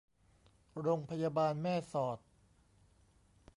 โรงพยาบาลแม่สอด